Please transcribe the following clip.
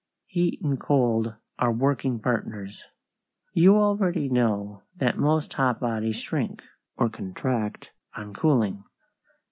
Heat and cold are working partners. You already know that most hot bodies shrink, or contract, on cooling.